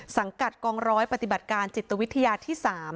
สังกัดกองร้อยปฏิบัติการจิตวิทยาที่๓